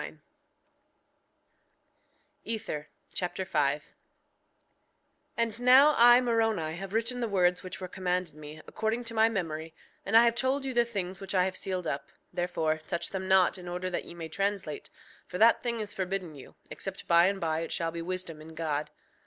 Amen. Ether Chapter 5 5:1 And now I, Moroni, have written the words which were commanded me, according to my memory; and I have told you the things which I have sealed up; therefore touch them not in order that ye may translate; for that thing is forbidden you, except by and by it shall be wisdom in God.